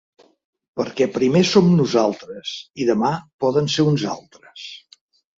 Perquè primer som nosaltres i demà poden ser uns altres.